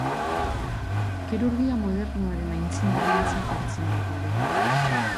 Kirurgia modernoaren aitzindaritzat hartzen da Pare.